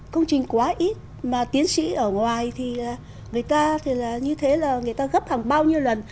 công trình quá ít mà tiến sĩ ở ngoài thì người ta thì là như thế là người ta gấp hàng bao nhiêu lần